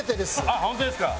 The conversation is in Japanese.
あっ本当ですか！